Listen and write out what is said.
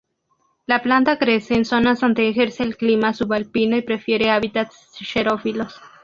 La planta crece en zonas donde ejerce el clima subalpino y prefiere hábitats xerófilos.